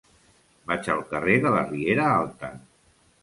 Vaig al carrer de la Riera Alta.